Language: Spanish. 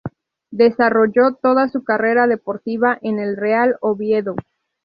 Desarrolló toda su carrera deportiva en el Real Oviedo.